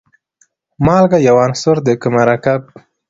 مالګه یو عنصر دی که مرکب.